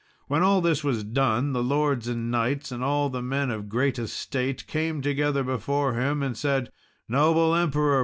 When all this was done, the lords and knights, and all the men of great estate, came together before him, and said, "Noble Emperor!